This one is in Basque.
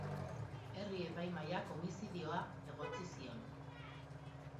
Herri-epaimahaiak homizidioa egotzi zion.